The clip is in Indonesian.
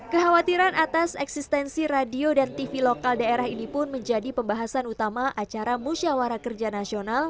kekhawatiran atas eksistensi radio dan tv lokal daerah ini pun menjadi pembahasan utama acara musyawara kerja nasional